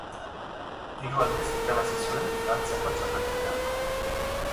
Hiru aldiz irabazi zuen Frantziako txapelketa.